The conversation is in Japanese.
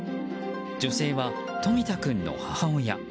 女性は冨田君の母親。